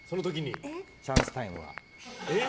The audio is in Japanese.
チャンスタイムは。え？